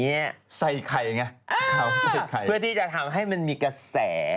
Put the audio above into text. ใส่ไข่ไงเขาใส่ไข่เพื่อที่จะทำให้มันมีกระแส